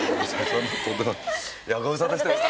いやご無沙汰してます。